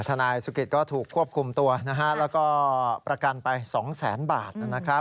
นายสุกิตก็ถูกควบคุมตัวแล้วก็ประกันไป๒แสนบาท